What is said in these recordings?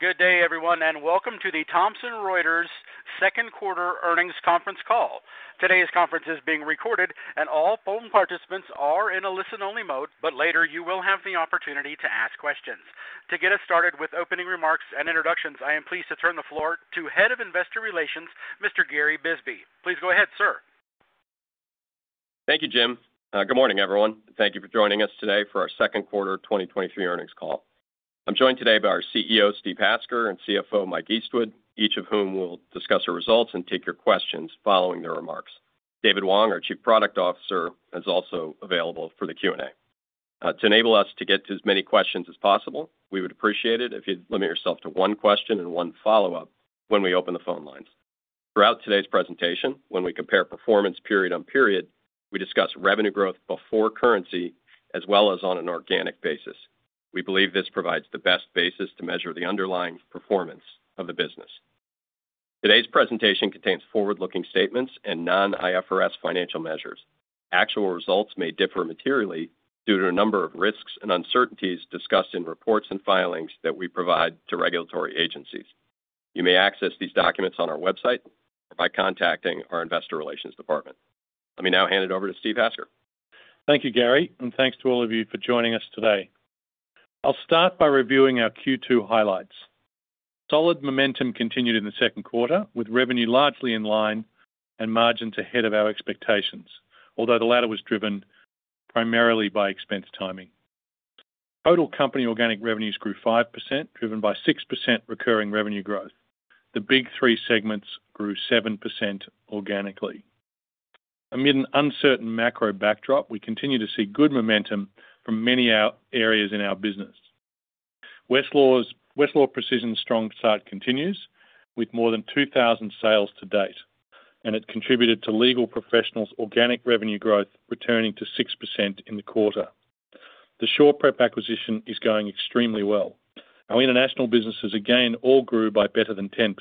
Good day, everyone, and welcome to the Thomson Reuters second quarter earnings conference call. Today's conference is being recorded and all phone participants are in a listen-only mode, but later you will have the opportunity to ask questions. To get us started with opening remarks and introductions, I am pleased to turn the floor to Head of Investor Relations, Mr. Gary Bisbee. Please go ahead, sir. Thank you, Jim. Good morning, everyone. Thank you for joining us today for our second quarter 2023 earnings call. I'm joined today by our CEO, Steve Hasker, and CFO, Mike Eastwood, each of whom will discuss our results and take your questions following their remarks. David Wong, our Chief Product Officer, is also available for the Q&A. To enable us to get to as many questions as possible, we would appreciate it if you'd limit yourself to one question and one follow-up when we open the phone lines. Throughout today's presentation, when we compare performance period on period, we discuss revenue growth before currency as well as on an organic basis. We believe this provides the best basis to measure the underlying performance of the business. Today's presentation contains forward-looking statements and non-IFRS financial measures. Actual results may differ materially due to a number of risks and uncertainties discussed in reports and filings that we provide to regulatory agencies. You may access these documents on our website or by contacting our investor relations department. Let me now hand it over to Steve Hasker. Thank you, Gary. Thanks to all of you for joining us today. I'll start by reviewing our Q2 highlights. Solid momentum continued in the second quarter, with revenue largely in line and margins ahead of our expectations, although the latter was driven primarily by expense timing. Total company organic revenues grew 5%, driven by 6% recurring revenue growth. The Big 3 segments grew 7% organically. Amid an uncertain macro backdrop, we continue to see good momentum from many areas in our business. Westlaw Precision's strong start continues, with more than 2,000 sales to date. It contributed to Legal Professionals' organic revenue growth returning to 6% in the quarter. The SurePrep acquisition is going extremely well. Our international businesses, again, all grew by better than 10%,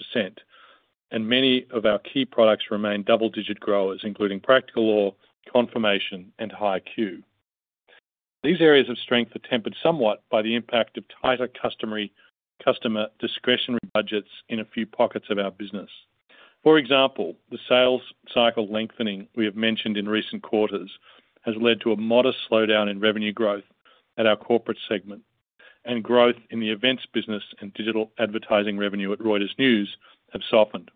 and many of our key products remain double-digit growers, including Practical Law, Confirmation, and HighQ. These areas of strength are tempered somewhat by the impact of tighter customary customer discretionary budgets in a few pockets of our business. For example, the sales cycle lengthening we have mentioned in recent quarters has led to a modest slowdown in revenue growth at our Corporates segment, and growth in the events business and digital advertising revenue at Reuters News have softened.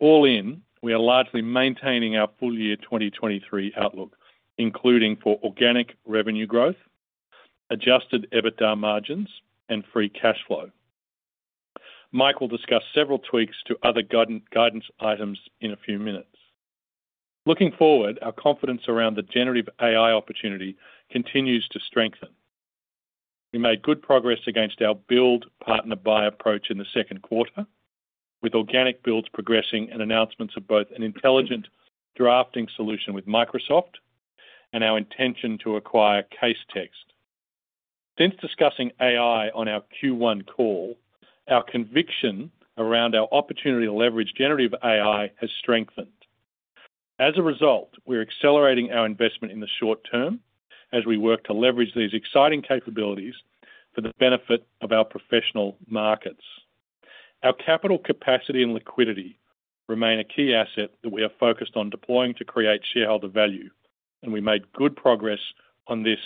All in, we are largely maintaining our full year 2023 outlook, including for organic revenue growth, adjusted EBITDA margins, and free cash flow. Mike will discuss several tweaks to other guidance items in a few minutes. Looking forward, our confidence around the generative AI opportunity continues to strengthen. We made good progress against our build, partner, buy approach in the second quarter, with organic builds progressing and announcements of both an intelligent drafting solution with Microsoft and our intention to acquire Casetext. Since discussing AI on our Q1 call, our conviction around our opportunity to leverage generative AI has strengthened. As a result, we're accelerating our investment in the short term as we work to leverage these exciting capabilities for the benefit of our professional markets. Our capital capacity and liquidity remain a key asset that we are focused on deploying to create shareholder value, and we made good progress on this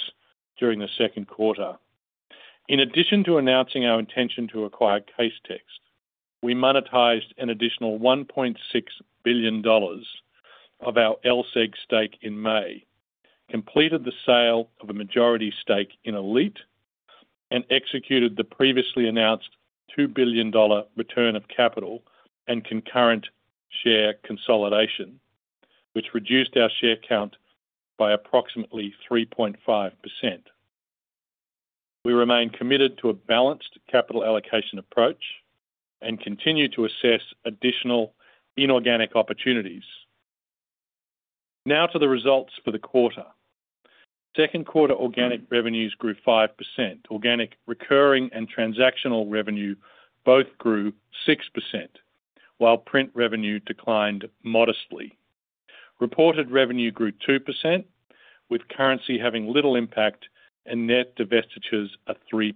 during the second quarter. In addition to announcing our intention to acquire Casetext, we monetized an additional $1.6 billion of our LSEG stake in May, completed the sale of a majority stake in Elite, and executed the previously announced $2 billion return of capital and concurrent share consolidation, which reduced our share count by approximately 3.5%. We remain committed to a balanced capital allocation approach and continue to assess additional inorganic opportunities. To the results for the quarter. Second quarter organic revenues grew 5%. Organic, recurring, and transactional revenue both grew 6%, while print revenue declined modestly. Reported revenue grew 2%, with currency having little impact and net divestitures a 3%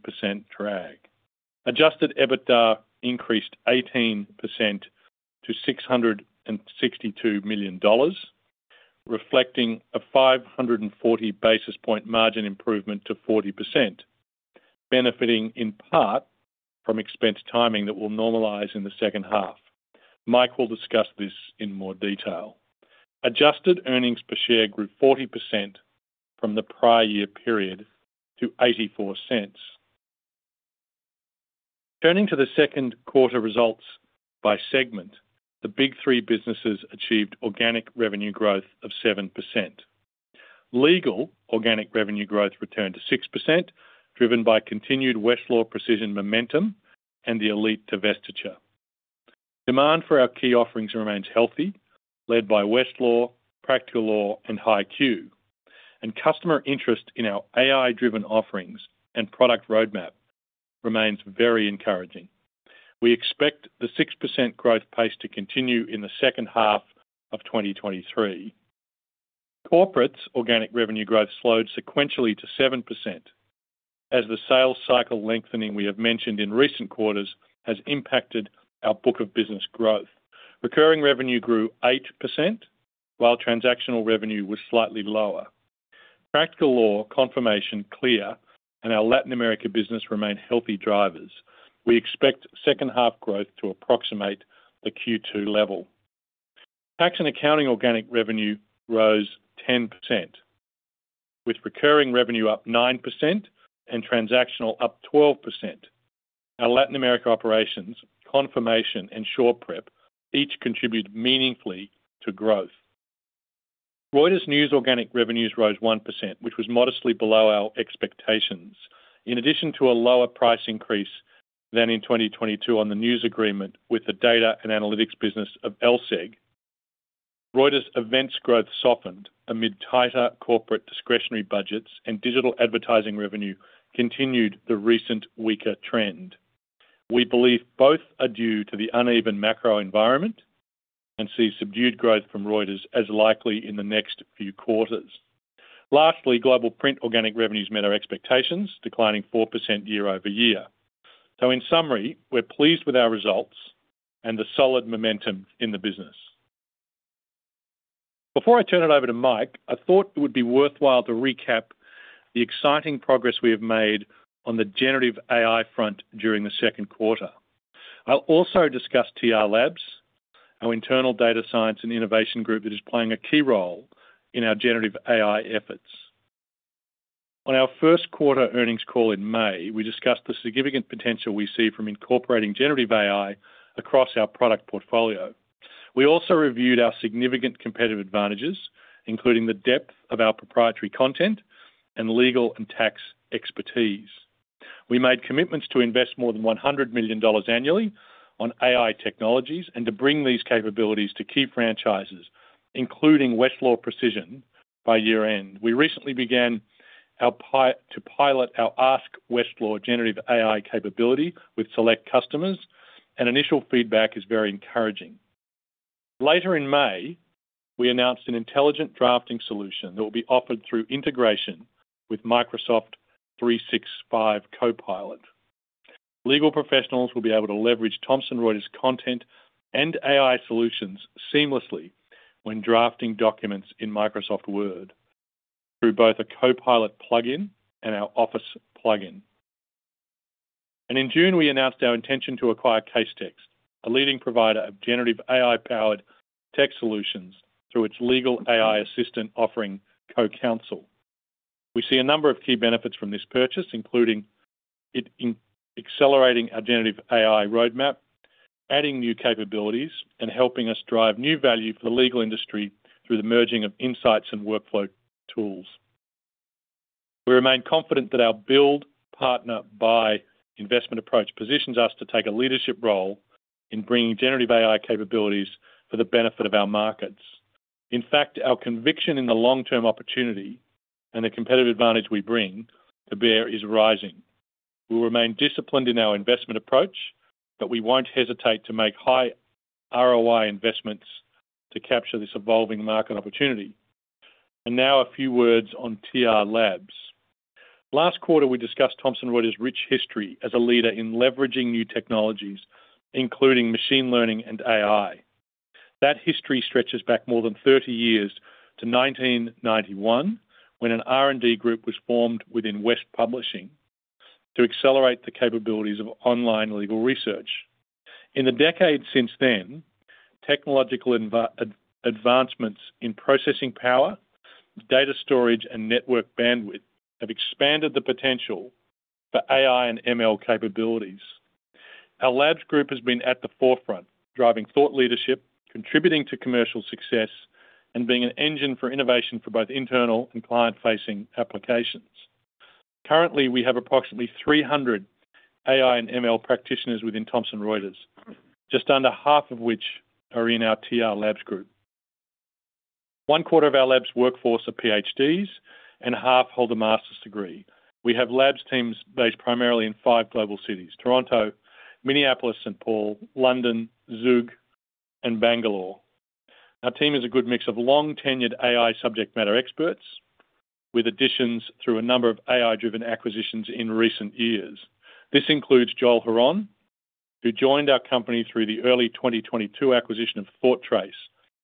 drag. Adjusted EBITDA increased 18% to $662 million, reflecting a 540 basis point margin improvement to 40%, benefiting in part from expense timing that will normalize in the second half. Mike will discuss this in more detail. Adjusted earnings per share grew 40% from the prior year period to $0.84. Turning to the second quarter results by segment, the Big 3 businesses achieved organic revenue growth of 7%. Legal organic revenue growth returned to 6%, driven by continued Westlaw Precision momentum and the Elite divestiture. Demand for our key offerings remains healthy, led by Westlaw, Practical Law, and HighQ, and customer interest in our AI-driven offerings and product roadmap remains very encouraging. We expect the 6% growth pace to continue in the second half of 2023. Corporate's organic revenue growth slowed sequentially to 7%, as the sales cycle lengthening we have mentioned in recent quarters has impacted our book of business growth. Recurring revenue grew 8%, while transactional revenue was slightly lower. Practical Law, Confirmation CLEAR, and our Latin America business remained healthy drivers. We expect second half growth to approximate the Q2 level. Tax and accounting organic revenue rose 10%, with recurring revenue up 9% and transactional up 12%. Our Latin America operations, Confirmation, and SurePrep each contributed meaningfully to growth. Reuters News organic revenues rose 1%, which was modestly below our expectations. In addition to a lower price increase than in 2022 on the news agreement with the data and analytics business of LSEG. Reuters events growth softened amid tighter corporate discretionary budgets, and digital advertising revenue continued the recent weaker trend. We believe both are due to the uneven macro environment and see subdued growth from Reuters as likely in the next few quarters. Lastly, global print organic revenues met our expectations, declining 4% year-over-year. In summary, we're pleased with our results and the solid momentum in the business. Before I turn it over to Mike, I thought it would be worthwhile to recap the exciting progress we have made on the generative AI front during the second quarter. I'll also discuss TR Labs, our internal data science and innovation group, that is playing a key role in our generative AI efforts. On our first quarter earnings call in May, we discussed the significant potential we see from incorporating generative AI across our product portfolio. We also reviewed our significant competitive advantages, including the depth of our proprietary content and legal and tax expertise. We made commitments to invest more than $100 million annually on AI technologies and to bring these capabilities to key franchises, including Westlaw Precision, by year-end. We recently began to pilot our Ask Westlaw generative AI capability with select customers, and initial feedback is very encouraging. Later in May, we announced an intelligent drafting solution that will be offered through integration with Microsoft 365 Copilot. Legal professionals will be able to leverage Thomson Reuters content and AI solutions seamlessly when drafting documents in Microsoft Word through both a Copilot plugin and our Office plugin. In June, we announced our intention to acquire Casetext, a leading provider of generative AI-powered tech solutions through its legal AI assistant offering, CoCounsel. We see a number of key benefits from this purchase, including accelerating our generative AI roadmap, adding new capabilities, and helping us drive new value for the legal industry through the merging of insights and workflow tools. We remain confident that our build, partner, buy investment approach positions us to take a leadership role in bringing generative AI capabilities for the benefit of our markets. In fact, our conviction in the long-term opportunity and the competitive advantage we bring to bear is rising. We'll remain disciplined in our investment approach, but we won't hesitate to make high ROI investments to capture this evolving market opportunity. Now a few words on TR Labs. Last quarter, we discussed Thomson Reuters' rich history as a leader in leveraging new technologies, including machine learning and AI. That history stretches back more than 30 years to 1991, when an R&D group was formed within West Publishing to accelerate the capabilities of online legal research. In the decades since then, technological advancements in processing power, data storage, and network bandwidth have expanded the potential for AI and ML capabilities. Our labs group has been at the forefront, driving thought leadership, contributing to commercial success, and being an engine for innovation for both internal and client-facing applications. Currently, we have approximately 300 AI and ML practitioners within Thomson Reuters, just under half of which are in our TR Labs group. One quarter of our labs workforce are PhDs, and half hold a master's degree. We have labs teams based primarily in five global cities, Toronto, Minneapolis, St. Paul, London, Zug, and Bangalore. Our team is a good mix of long-tenured AI subject matter experts, with additions through a number of AI-driven acquisitions in recent years. This includes Joel Hron, who joined our company through the early 2022 acquisition of ThoughtTrace,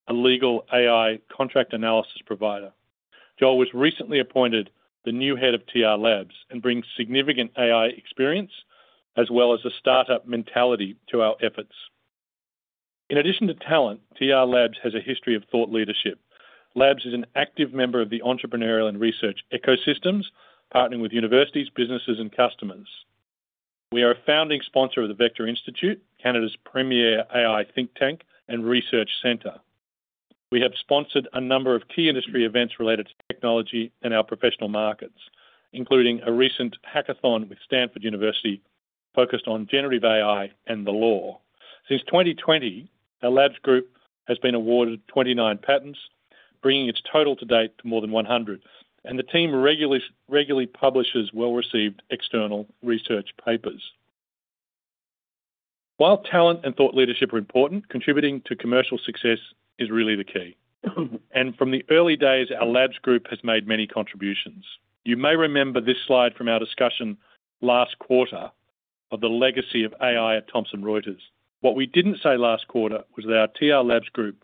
a legal AI contract analysis provider. Joel was recently appointed the new head of TR Labs and brings significant AI experience as well as a startup mentality to our efforts. In addition to talent, TR Labs has a history of thought leadership. Labs is an active member of the entrepreneurial and research ecosystems, partnering with universities, businesses, and customers. We are a founding sponsor of the Vector Institute, Canada's premier AI think tank and research center. We have sponsored a number of key industry events related to technology and our professional markets, including a recent hackathon with Stanford University focused on generative AI and the law. Since 2020, our Labs group has been awarded 29 patents, bringing its total to date to more than 100, the team regularly, regularly publishes well-received external research papers. While talent and thought leadership are important, contributing to commercial success is really the key. From the early days, our Labs group has made many contributions. You may remember this slide from our discussion last quarter of the legacy of AI at Thomson Reuters. What we didn't say last quarter was that our TR Labs group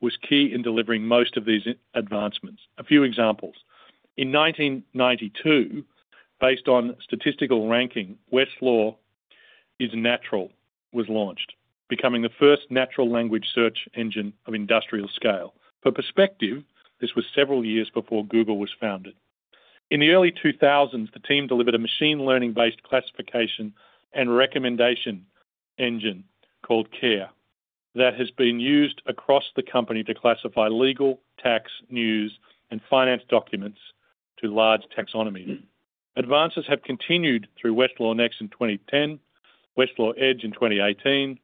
was key in delivering most of these advancements. A few examples: In 1992, based on statistical ranking, Westlaw Is Natural was launched, becoming the first natural language search engine of industrial scale. For perspective, this was several years before Google was founded. In the early 2000s, the team delivered a machine learning-based classification and recommendation engine called CARE, that has been used across the company to classify legal, tax, news, and finance documents to large taxonomy. Advances have continued through Westlaw Next in 2010, Westlaw Edge in 2018,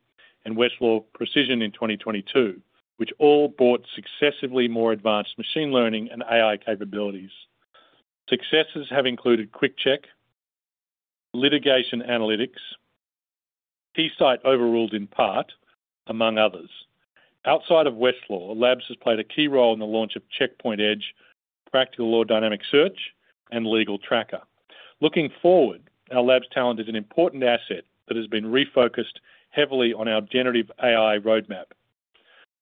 and Westlaw Precision in 2022, which all brought successively more advanced machine learning and AI capabilities. Successes have included Quick Check, Litigation Analytics, KeyCite Overruled in Part, among others. Outside of Westlaw, Labs has played a key role in the launch of Checkpoint Edge, Practical Law Dynamic Search, and Legal Tracker. Looking forward, our Labs talent is an important asset that has been refocused heavily on our generative AI roadmap.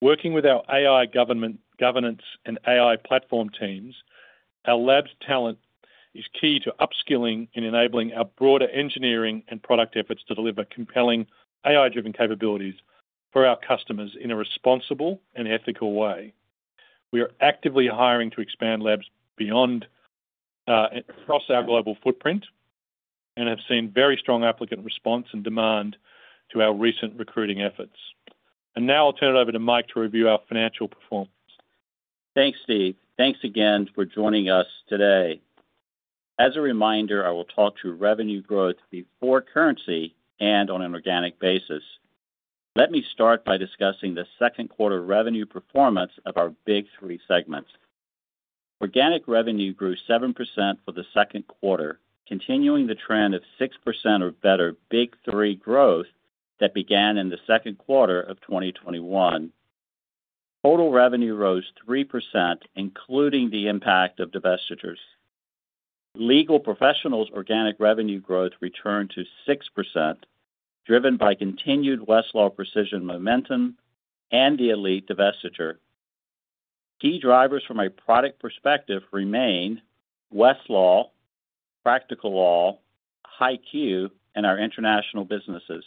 Working with our AI government, governance, and AI platform teams, our Labs talent is key to upskilling and enabling our broader engineering and product efforts to deliver compelling AI-driven capabilities for our customers in a responsible and ethical way. We are actively hiring to expand Labs beyond across our global footprint and have seen very strong applicant response and demand to our recent recruiting efforts. Now I'll turn it over to Mike to review our financial performance. Thanks, Steve. Thanks again for joining us today. As a reminder, I will talk to revenue growth before currency and on an organic basis. Let me start by discussing the second quarter revenue performance of our Big 3 segments. Organic revenue grew 7% for the second quarter, continuing the trend of 6% or better Big 3 growth that began in the second quarter of 2021. Total revenue rose 3%, including the impact of divestitures. Legal Professionals' organic revenue growth returned to 6%, driven by continued Westlaw Precision momentum and the Elite divestiture. Key drivers from a product perspective remain Westlaw, Practical Law, HighQ and our international businesses.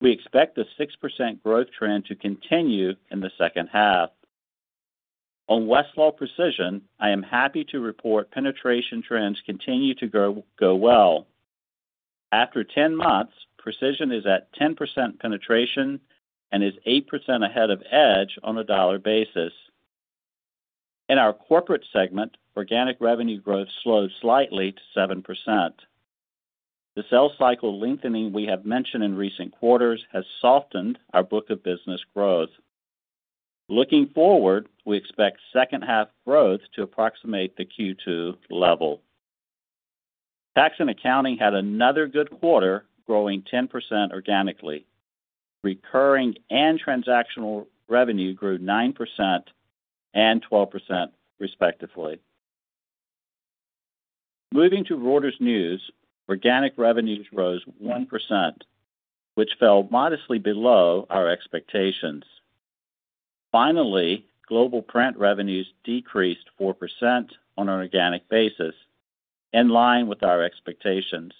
We expect the 6% growth trend to continue in the second half. On Westlaw Precision, I am happy to report penetration trends continue to go, go well. After 10 months, Precision is at 10% penetration and is 8% ahead of Edge on a dollar basis. In our corporate segment, organic revenue growth slowed slightly to 7%. The sales cycle lengthening we have mentioned in recent quarters has softened our book of business growth. Looking forward, we expect second half growth to approximate the Q2 level. Tax and Accounting had another good quarter, growing 10% organically. Recurring and transactional revenue grew 9% and 12%, respectively. Moving to Reuters News, organic revenues rose 1%, which fell modestly below our expectations. Finally, global print revenues decreased 4% on an organic basis, in line with our expectations.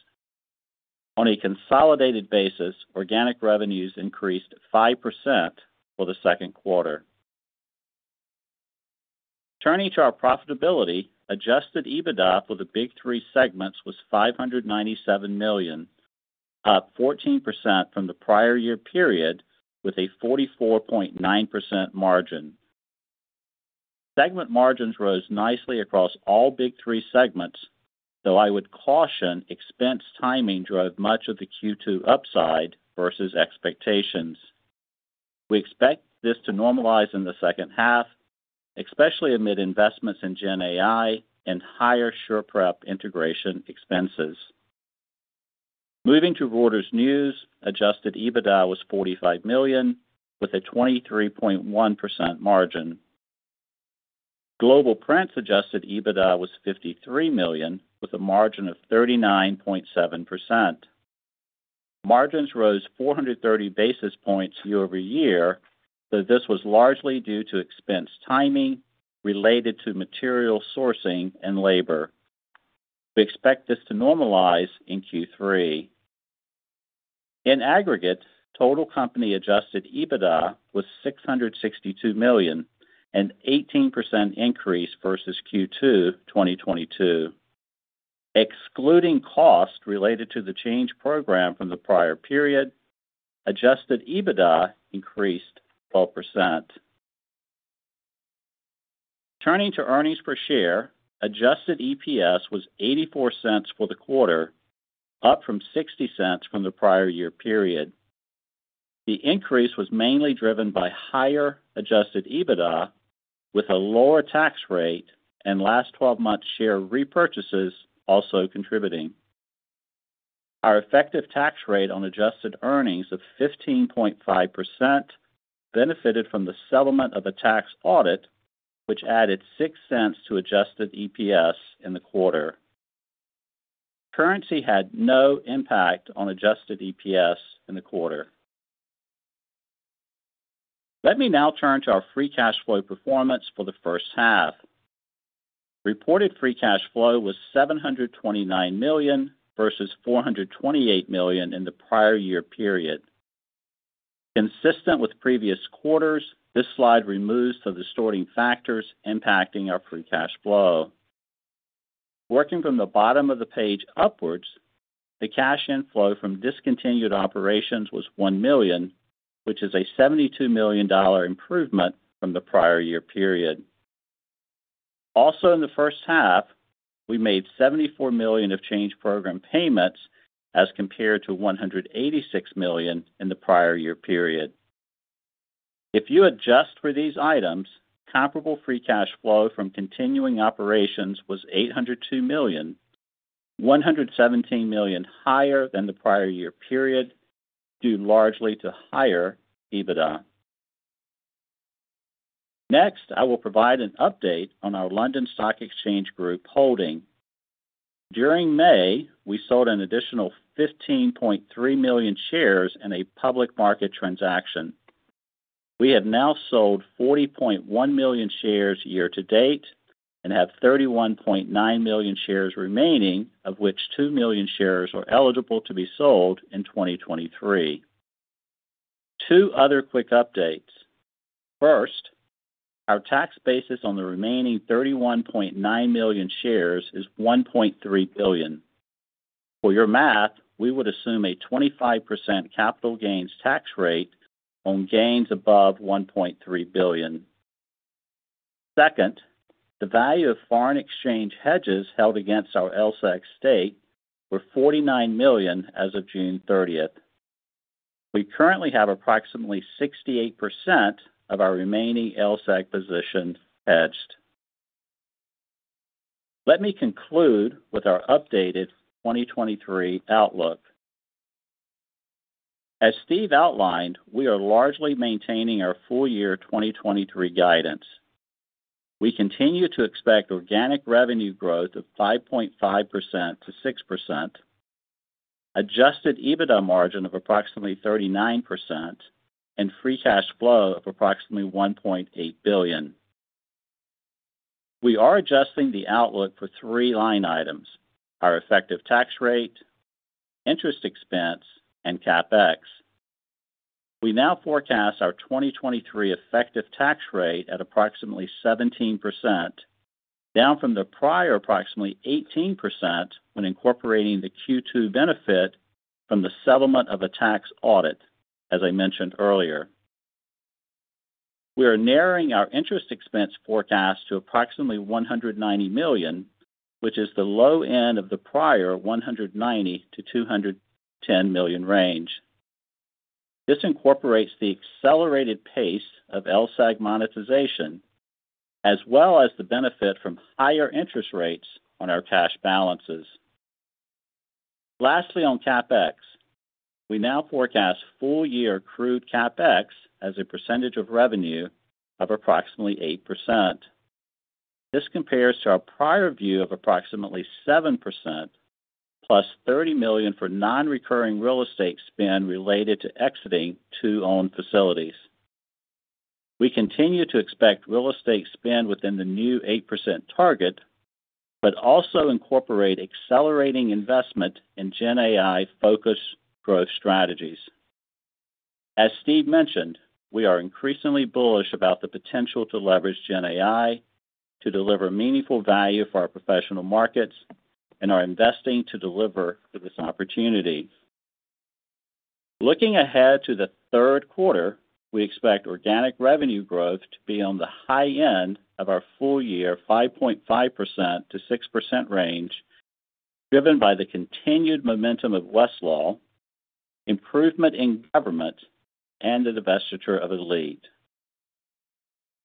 On a consolidated basis, organic revenues increased 5% for the second quarter. Turning to our profitability, adjusted EBITDA for the Big 3 segments was $597 million, up 14% from the prior year period, with a 44.9% margin. Segment margins rose nicely across all Big 3 segments, though I would caution expense timing drove much of the Q2 upside versus expectations. We expect this to normalize in the second half, especially amid investments in GenAI and higher SurePrep integration expenses. Moving to Reuters News, adjusted EBITDA was $45 million, with a 23.1% margin. Global Print adjusted EBITDA was $53 million, with a margin of 39.7%. Margins rose 430 basis points year-over-year, though this was largely due to expense timing related to material sourcing and labor. We expect this to normalize in Q3. In aggregate, total company adjusted EBITDA was $662 million, an 18% increase versus Q2 2022. Excluding costs related to the Change Program from the prior period, adjusted EBITDA increased 12%. Turning to earnings per share, adjusted EPS was $0.84 for the quarter, up from $0.60 from the prior year period. The increase was mainly driven by higher adjusted EBITDA, with a lower tax rate and last twelve months share repurchases also contributing. Our effective tax rate on adjusted earnings of 15.5% benefited from the settlement of a tax audit, which added $0.06 to adjusted EPS in the quarter. Currency had no impact on adjusted EPS in the quarter. Let me now turn to our free cash flow performance for the first half. Reported free cash flow was $729 million versus $428 million in the prior year period. Consistent with previous quarters, this slide removes the distorting factors impacting our free cash flow. Working from the bottom of the page upwards, the cash inflow from discontinued operations was $1 million, which is a $72 million improvement from the prior year period. In the first half, we made $74 million of Change Program payments, as compared to $186 million in the prior year period. If you adjust for these items, comparable free cash flow from continuing operations was $802 million, $117 million higher than the prior year period, due largely to higher EBITDA. Next, I will provide an update on our London Stock Exchange Group holding. During May, we sold an additional 15.3 million shares in a public market transaction. We have now sold 40.1 million shares year-to-date and have 31.9 million shares remaining, of which 2 million shares are eligible to be sold in 2023. Two other quick updates. First, our tax basis on the remaining 31.9 million shares is $1.3 billion. For your math, we would assume a 25% capital gains tax rate on gains above $1.3 billion. Second, the value of foreign exchange hedges held against our LSEG stake were $49 million as of June 30th. We currently have approximately 68% of our remaining LSEG position hedged. Let me conclude with our updated 2023 outlook. As Steve outlined, we are largely maintaining our full year 2023 guidance. We continue to expect organic revenue growth of 5.5%-6%, adjusted EBITDA margin of approximately 39% and free cash flow of approximately $1.8 billion. We are adjusting the outlook for three line items: our effective tax rate, interest expense, and CapEx. We now forecast our 2023 effective tax rate at approximately 17%, down from the prior approximately 18% when incorporating the Q2 benefit from the settlement of a tax audit as I mentioned earlier. We are narrowing our interest expense forecast to approximately $190 million, which is the low end of the prior $190 million-$210 million range. This incorporates the accelerated pace of LSEG monetization, as well as the benefit from higher interest rates on our cash balances. Lastly, on CapEx, we now forecast full year crude CapEx as a percentage of revenue of approximately 8%. This compares to our prior view of approximately 7% plus $30 million for non-recurring real estate spend related to exiting 2 owned facilities. We continue to expect real estate spend within the new 8% target, also incorporate accelerating investment in GenAI-focused growth strategies. As Steve mentioned, we are increasingly bullish about the potential to leverage GenAI to deliver meaningful value for our professional markets and are investing to deliver to this opportunity. Looking ahead to the third quarter, we expect organic revenue growth to be on the high end of our full year, 5.5%-6% range, driven by the continued momentum of Westlaw, improvement in government, the divestiture of Elite.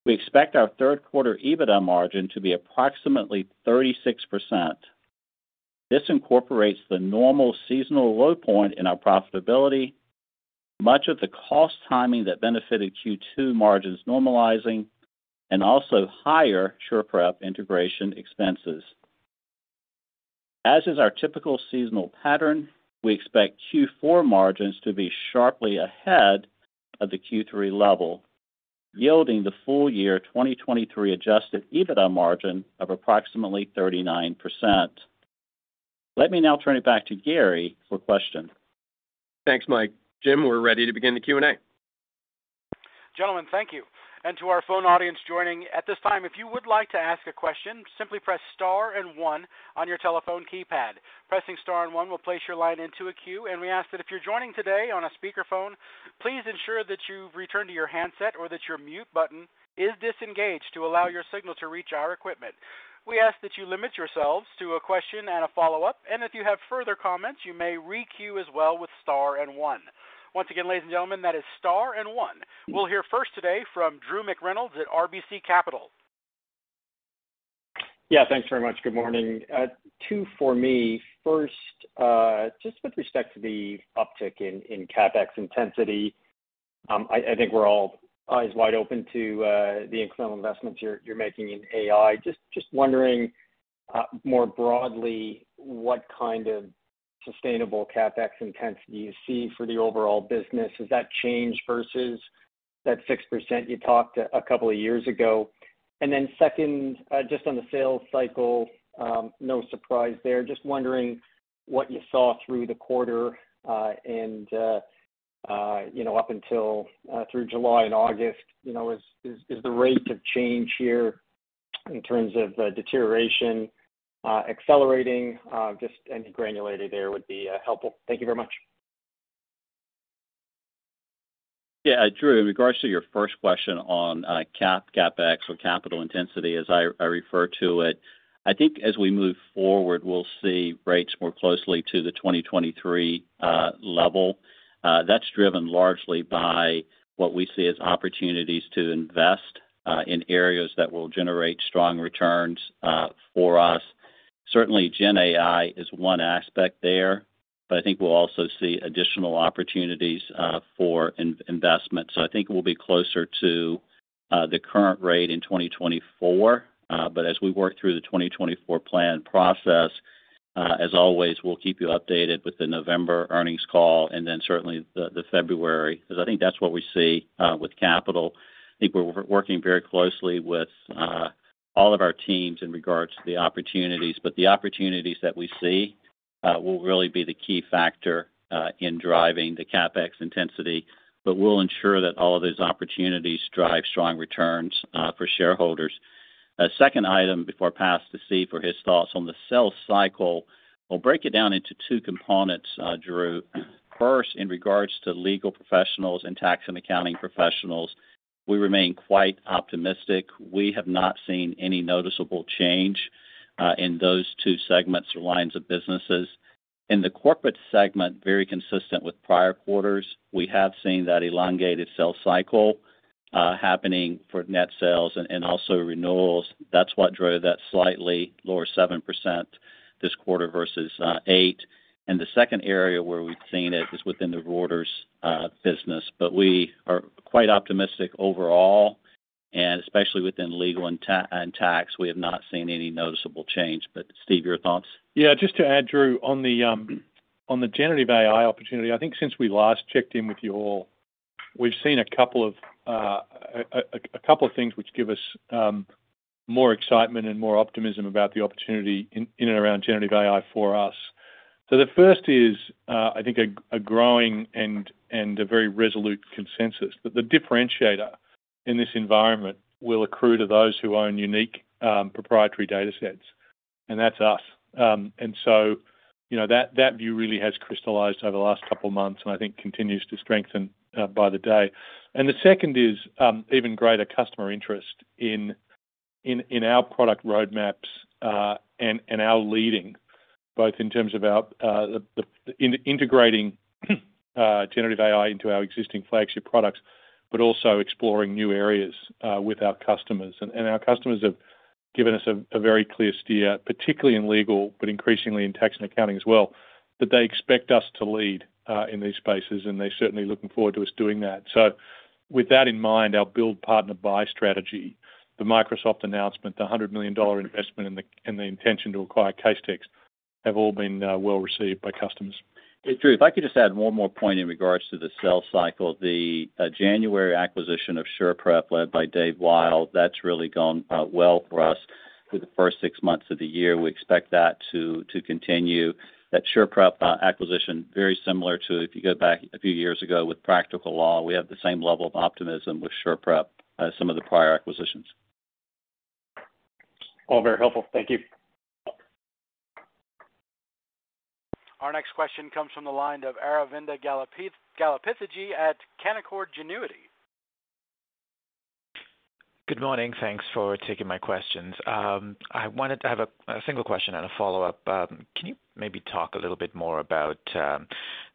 We expect our 3rd quarter EBITDA margin to be approximately 36%. This incorporates the normal seasonal low point in our profitability, much of the cost timing that benefited Q2 margins normalizing and also higher SurePrep integration expenses. As is our typical seasonal pattern, we expect Q4 margins to be sharply ahead of the Q3 level, yielding the full year 2023 adjusted EBITDA margin of approximately 39%. Let me now turn it back to Gary for questions. Thanks, Mike. Jim, we're ready to begin the Q&A. Gentlemen, thank you. To our phone audience, joining at this time, if you would like to ask a question, simply press star and one on your telephone keypad. Pressing star and one will place your line into a queue, and we ask that if you're joining today on a speakerphone, please ensure that you return to your handset or that your mute button is disengaged to allow your signal to reach our equipment. We ask that you limit yourselves to a question and a follow-up, and if you have further comments, you may re-queue as well with star and one. Once again, ladies and gentlemen, that is star and one. We'll hear first today from Drew McReynolds at RBC Capital. Yeah, thanks very much. Good morning. Two for me. First, just with respect to the uptick in CapEx intensity, I think we're all eyes wide open to the incremental investments you're making in AI. Just wondering more broadly, what kind of sustainable CapEx intensity you see for the overall business? Has that changed versus that 6% you talked a couple of years ago? Second, just on the sales cycle, no surprise there. Just wondering what you saw through the quarter, and, you know, up until through July and August, you know, is, is, is the rate of change here in terms of deterioration accelerating? Just any granulated there would be helpful. Thank you very much. Yeah, Drew, in regards to your first question on cap- CapEx or capital intensity, as I, I refer to it, I think as we move forward, we'll see rates more closely to the 2023 level. That's driven largely by what we see as opportunities to invest in areas that will generate strong returns for us. Certainly, GenAI is one aspect there, but I think we'll also see additional opportunities for in- investment. I think we'll be closer to the current rate in 2024. As we work through the 2024 plan process, as always, we'll keep you updated with the November earnings call and then certainly the, the February, because I think that's what we see with capital. I think we're working very closely with all of our teams in regards to the opportunities. The opportunities that we see, will really be the key factor, in driving the CapEx intensity. We'll ensure that all of these opportunities drive strong returns, for shareholders. Second item before I pass to Steve for his thoughts on the sales cycle. We'll break it down into two components, Drew. First, in regards to Legal Professionals and Tax & Accounting Professionals, we remain quite optimistic. We have not seen any noticeable change, in those two segments or lines of businesses. In the Corporates segment, very consistent with prior quarters, we have seen that elongated sales cycle, happening for net sales and also renewals. That's what drove that slightly lower 7% this quarter versus 8. The second area where we've seen it is within the Reuters business. We are quite optimistic overall, and especially within legal and tax, we have not seen any noticeable change. Steve, your thoughts? Yeah, just to add, Drew, on the generative AI opportunity, I think since we last checked in with you all, we've seen a couple of things which give us more excitement and more optimism about the opportunity in and around generative AI for us. The first is, I think, a growing and a very resolute consensus that the differentiator in this environment will accrue to those who own unique proprietary datasets, and that's us. You know, that view really has crystallized over the last couple of months and I think continues to strengthen by the day. The second is, even greater customer interest in, in, in our product roadmaps, and, and our leading, both in terms of our, the, integrating generative AI into our existing flagship products, but also exploring new areas, with our customers. Our customers have given us a, a very clear steer, particularly in legal, but increasingly in tax and accounting as well, that they expect us to lead, in these spaces, and they're certainly looking forward to us doing that. With that in mind, our build, partner, buy strategy, the Microsoft announcement, the $100 million investment, and the, and the intention to acquire Casetext have all been, well received by customers. Hey, Drew, if I could just add one more point in regards to the sales cycle. The January acquisition of SurePrep, led by David Wyle, that's really gone well for us through the first 6 months of the year. We expect that to continue. That SurePrep acquisition, very similar to if you go back a few years ago with Practical Law. We have the same level of optimism with SurePrep as some of the prior acquisitions. All very helpful. Thank you. Our next question comes from the line of Aravinda Galappatthige at Canaccord Genuity. Good morning. Thanks for taking my questions. I wanted to have a single question and a follow-up. Can you maybe talk a little bit more about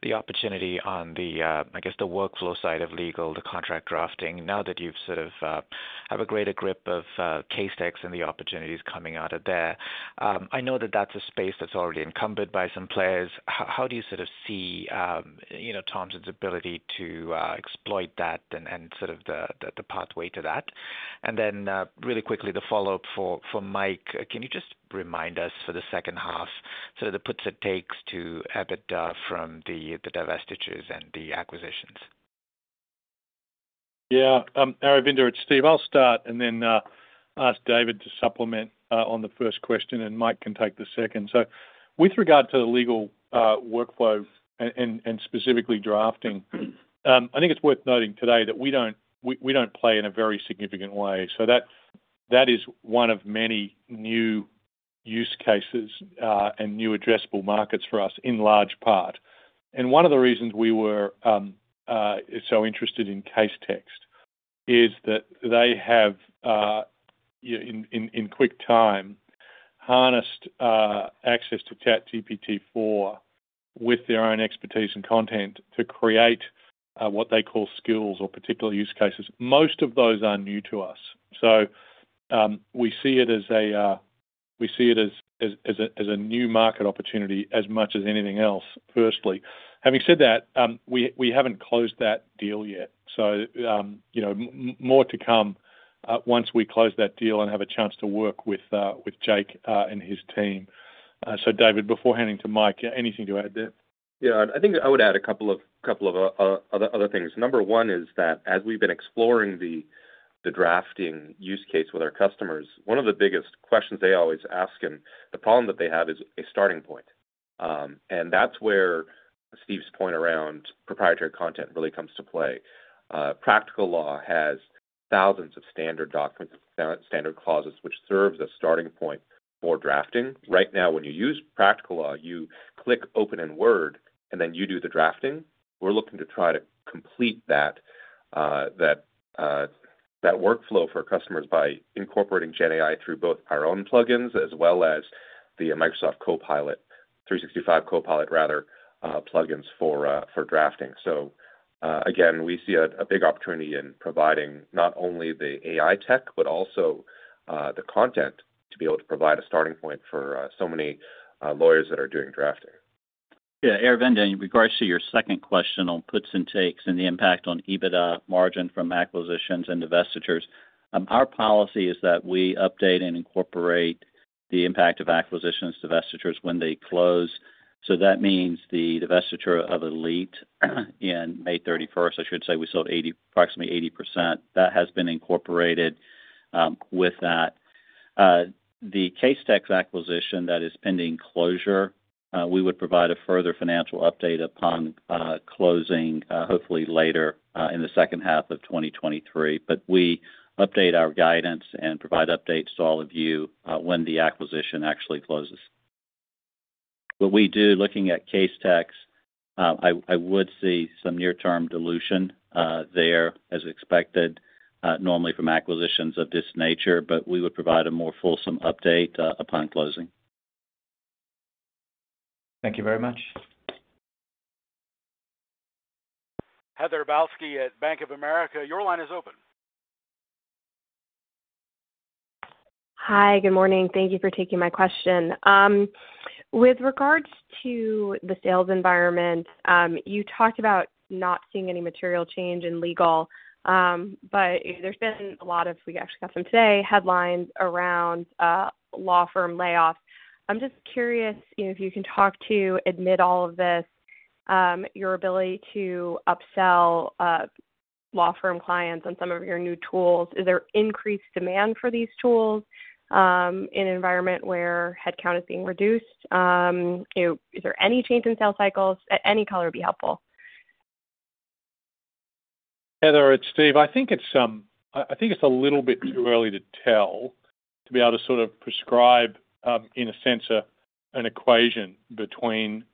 the opportunity on the, I guess, the workflow side of legal, the contract drafting, now that you've sort of have a greater grip of Casetext and the opportunities coming out of there? I know that that's a space that's already encumbered by some players. How do you sort of see, you know, Thomson's ability to exploit that and sort of the pathway to that? Then, really quickly, the follow-up for Mike, can you just remind us for the second half, sort of the puts and takes to EBITDA from the divestitures and the acquisitions? Yeah, Aravinda, it's Steve. I'll start and then ask David to supplement on the first question, and Mike can take the second. With regard to the legal workflow and, and, and specifically drafting, I think it's worth noting today that we don't, we, we don't play in a very significant way. That, that is one of many new use cases and new addressable markets for us in large part. One of the reasons we were so interested in Casetext is that they have, yeah, in, in, in quick time-... harnessed access to GPT-4 with their own expertise and content to create what they call skills or particular use cases. Most of those are new to us, so we see it as a, we see it as, as, as a, as a new market opportunity as much as anything else, firstly. Having said that, we, we haven't closed that deal yet, so, you know, more to come, once we close that deal and have a chance to work with Jake and his team. David, before handing to Mike, anything to add there? Yeah, I think I would add a couple of, couple of, other, other things. Number one is that as we've been exploring the, the drafting use case with our customers, one of the biggest questions they always ask, and the problem that they have, is a starting point. That's where Steve's point around proprietary content really comes to play. Practical Law has thousands of standard documents, standard clauses, which serves a starting point for drafting. Right now, when you use Practical Law, you click Open in Word, and then you do the drafting. We're looking to try to complete that, that, that workflow for customers by incorporating GenAI through both our own plugins as well as the Microsoft Copilot, 365 Copilot rather, plugins for, for drafting. Again, we see a, a big opportunity in providing not only the AI tech, but also, the content, to be able to provide a starting point for, so many, lawyers that are doing drafting. Yeah, Aravind, in regards to your second question on puts and takes and the impact on EBITDA margin from acquisitions and divestitures, our policy is that we update and incorporate the impact of acquisitions, divestitures when they close. That means the divestiture of Elite, in May 31st, I should say, we sold eighty-- approximately 80%. That has been incorporated with that. The Casetext acquisition that is pending closure, we would provide a further financial update upon closing, hopefully later in the second half of 2023. We update our guidance and provide updates to all of you when the acquisition actually closes. What we do, looking at Casetext, I, I would see some near-term dilution there, as expected, normally from acquisitions of this nature, but we would provide a more fulsome update upon closing. Thank you very much. Heather Urbanski at Bank of America, your line is open. Hi, good morning. Thank you for taking my question. With regards to the sales environment, you talked about not seeing any material change in legal. There's been a lot of, we actually got some today, headlines around law firm layoffs. I'm just curious if you can talk to, amid all of this, your ability to upsell law firm clients on some of your new tools. Is there increased demand for these tools in an environment where headcount is being reduced? You know, is there any change in sales cycles? Any color would be helpful. Heather, it's Steve. I think it's, I, I think it's a little bit too early to tell, to be able to sort of prescribe, in a sense, an equation between,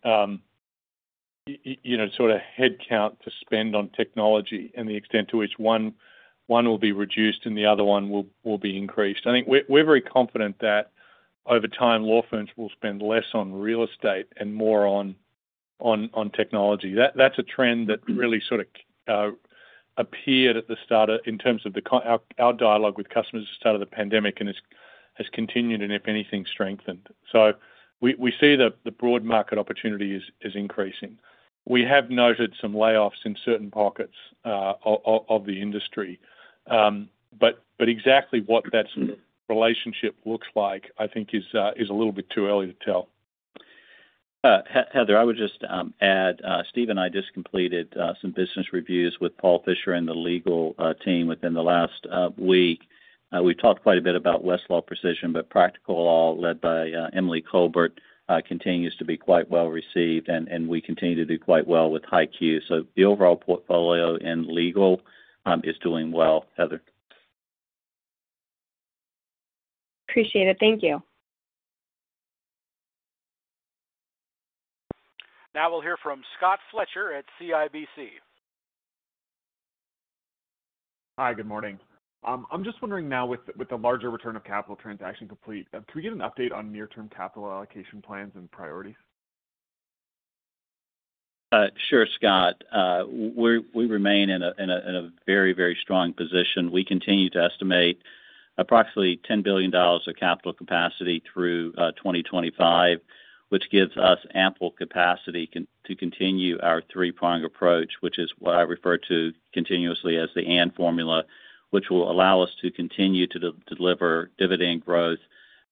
you know, sort of headcount to spend on technology and the extent to which one, one will be reduced and the other one will, will be increased. I think we're, we're very confident that over time, law firms will spend less on real estate and more on, on, on technology. That's a trend that really sort of appeared at the start of in terms of our, our dialogue with customers at the start of the pandemic, and it's, has continued, and if anything, strengthened. We, we see that the broad market opportunity is, is increasing. We have noted some layoffs in certain pockets, of, of, of the industry. Exactly what that relationship looks like, I think is a little bit too early to tell. Heather, I would just add, Steve and I just completed some business reviews with Paul Fischer and the legal team within the last week. We talked quite a bit about Westlaw Precision, but Practical Law, led by Emily Colbert, continues to be quite well-received, and we continue to do quite well with HighQ. The overall portfolio in legal is doing well, Heather. Appreciate it. Thank you. Now we'll hear from Scott Fletcher at CIBC. Hi, good morning. I'm just wondering now with, with the larger return of capital transaction complete, can we get an update on near-term capital allocation plans and priorities? Sure, Scott. We remain in a very, very strong position. We continue to estimate approximately $10 billion of capital capacity through 2025, which gives us ample capacity to continue our three-pronged approach, which is what I refer to continuously as the and formula, which will allow us to continue to deliver dividend growth.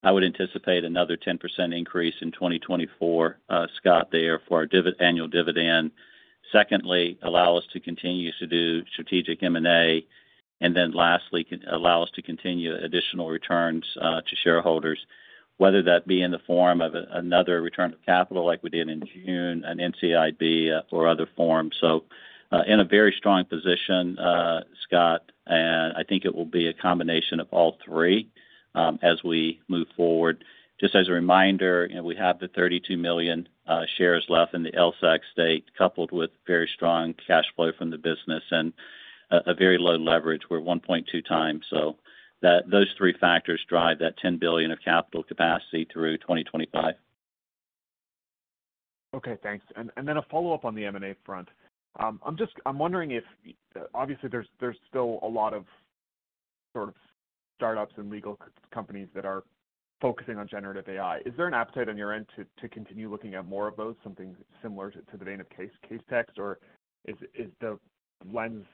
I would anticipate another 10% increase in 2024, Scott, there for our annual dividend. Secondly, allow us to continue to do strategic M&A, and then lastly, allow us to continue additional returns to shareholders, whether that be in the form of another return of capital like we did in June, an NCIB, or other forms. In a very strong position, Scott, and I think it will be a combination of all three as we move forward. Just as a reminder, you know, we have the 32 million shares left in the LSEG state, coupled with very strong cash flow from the business, a very low leverage. We're 1.2 times, those three factors drive that $10 billion of capital capacity through 2025. Okay, thanks. Then a follow-up on the M&A front. I'm wondering if, obviously, there's, there's still a lot of sort of startups and legal companies that are focusing on generative AI. Is there an appetite on your end to, to continue looking at more of those, something similar to, to the vein of Casetext, or is, is the lens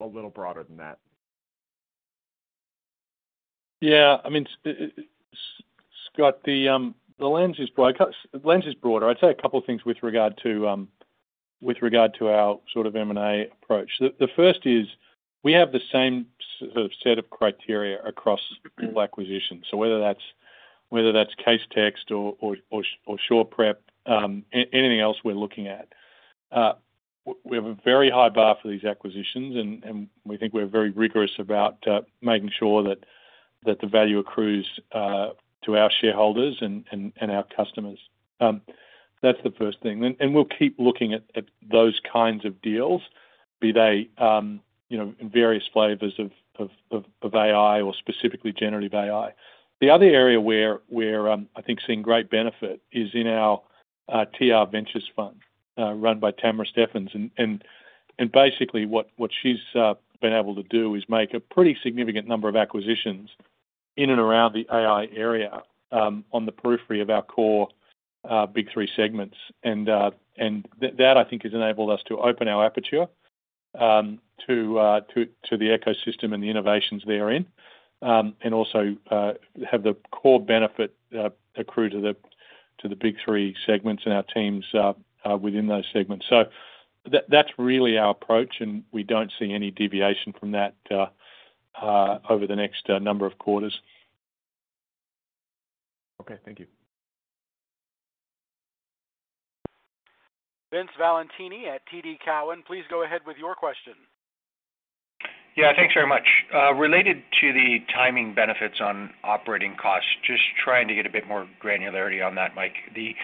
a little broader than that? Yeah, I mean, Scott, the, the lens is broad. The lens is broader. I'd say a couple of things with regard to, with regard to our sort of M&A approach. The, the first is we have the same sort of set of criteria across all acquisitions. Whether that's, whether that's Casetext or, or, or, or SurePrep, anything else we're looking at. We have a very high bar for these acquisitions, and, and we think we're very rigorous about, making sure that, that the value accrues, to our shareholders and, and, and our customers. That's the first thing. We'll keep looking at, at those kinds of deals, be they, you know, in various flavors of, of, of, of AI or specifically generative AI. The other area where, where, I think seeing great benefit is in our TR Ventures fund, run by Tamara Steffens. Basically, what she's been able to do is make a pretty significant number of acquisitions in and around the AI area, on the periphery of our core Big 3 segments. That, I think, has enabled us to open our aperture to the ecosystem and the innovations therein, and also have the core benefit accrue to the Big 3 segments and our teams within those segments. That's really our approach, and we don't see any deviation from that over the next number of quarters. Okay, thank you. Vince Valentini at TD Cowen, please go ahead with your question. Yeah, thanks very much. Related to the timing benefits on operating costs, just trying to get a bit more granularity on that, Mike. The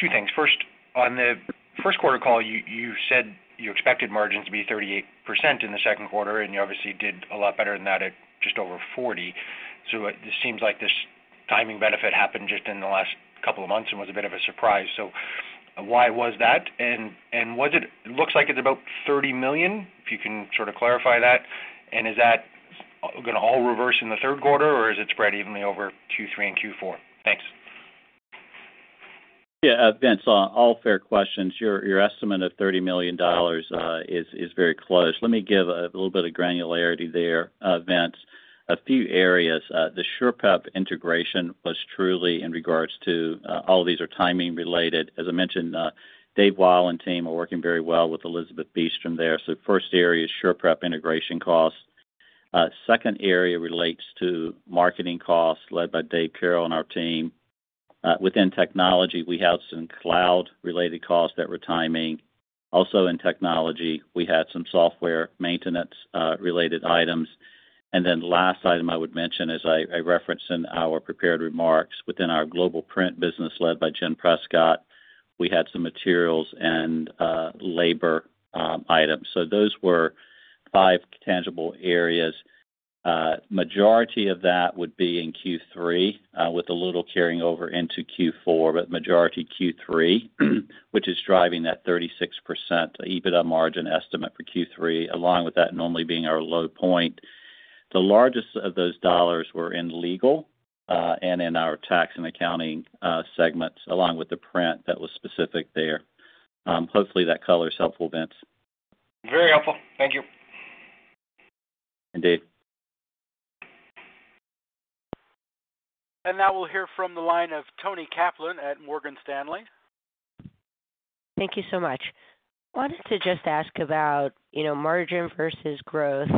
two things. First, on the first quarter call, you said you expected margins to be 38% in the second quarter, and you obviously did a lot better than that at just over 40. It seems like this timing benefit happened just in the last couple of months and was a bit of a surprise. Why was that? Looks like it's about $30 million, if you can sort of clarify that. Is that gonna all reverse in the third quarter, or is it spread evenly over Q3 and Q4? Thanks. Yeah, Vince, all, all fair questions. Your, your estimate of $30 million is, is very close. Let me give a little bit of granularity there, Vince. A few areas. The SurePrep integration was truly in regards to, all of these are timing related. As I mentioned, David Weil and team are working very well with Elizabeth Bystrom there. First area is SurePrep integration costs. Second area relates to marketing costs led by David Carrel and our team. Within technology, we have some cloud-related costs that were timing. Also, in technology, we had some software maintenance related items. The last item I would mention, as I, I referenced in our prepared remarks, within our global print business led by Jennifer Prescott, we had some materials and labor items. Those were 5 tangible areas. Majority of that would be in Q3, with a little carrying over into Q4, but majority Q3, which is driving that 36% EBITDA margin estimate for Q3, along with that normally being our low point. The largest of those dollars were in legal, and in our tax and accounting segments, along with the print that was specific there. Hopefully, that color is helpful, Vince. Very helpful. Thank you. Indeed. Now we'll hear from the line of Toni Kaplan at Morgan Stanley. Thank you so much. Wanted to just ask about, you know, margin versus growth.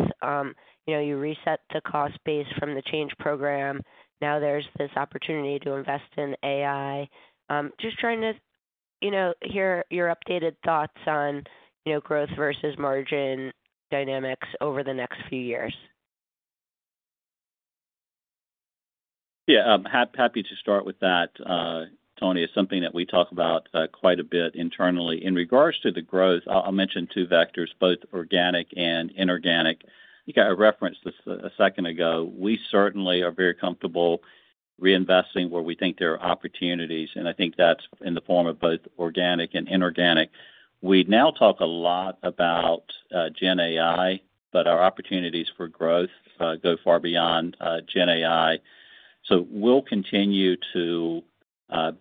You know, you reset the cost base from the Change Program. Now there's this opportunity to invest in AI. Just trying to, you know, hear your updated thoughts on, you know, growth versus margin dynamics over the next few years. Yeah, happy to start with that, Toni. It's something that we talk about quite a bit internally. In regards to the growth, I'll, I'll mention 2 vectors, both organic and inorganic. I referenced this a second ago. We certainly are very comfortable reinvesting where we think there are opportunities, and I think that's in the form of both organic and inorganic. We now talk a lot about GenAI, but our opportunities for growth go far beyond GenAI. We'll continue to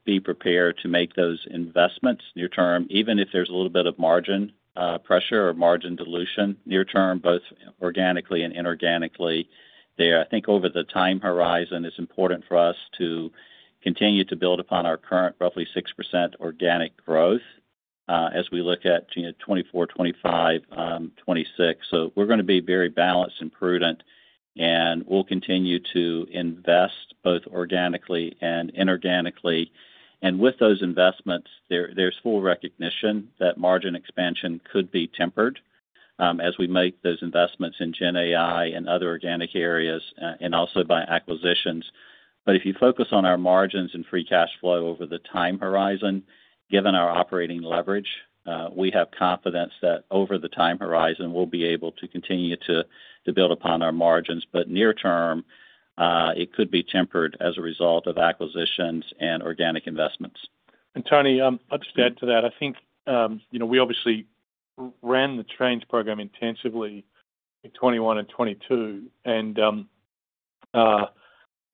be prepared to make those investments near term, even if there's a little bit of margin pressure or margin dilution near term, both organically and inorganically there. I think over the time horizon, it's important for us to continue to build upon our current, roughly 6% organic growth, as we look at, you know, 2024, 2025, 2026. We're going to be very balanced and prudent, and we'll continue to invest both organically and inorganically. With those investments, there, there's full recognition that margin expansion could be tempered, as we make those investments in GenAI and other organic areas, and also by acquisitions. If you focus on our margins and free cash flow over the time horizon, given our operating leverage, we have confidence that over the time horizon, we'll be able to continue to, to build upon our margins. Near term, it could be tempered as a result of acquisitions and organic investments. Toni, I'll just add to that. I think, you know, we obviously ran the Change Program intensively in 2021 and 2022,